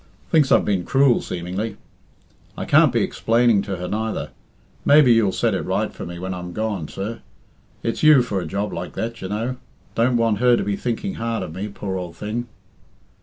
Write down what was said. Thinks I've been cruel, seemingly. I can't be explaining to her neither. Maybe you'll set it right for me when I'm gone, sir. It's you for a job like that, you know. Don't want her to be thinking hard of me, poor ould thing."